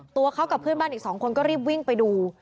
ตัวเขากับเพื่อนบ้านอีก๒คนก็รีบวิ่งไปดู